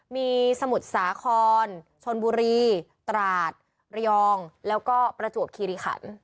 มีสมุทรสาครชนบุรีตราดระยองแล้วก็ประจวบคิริขัน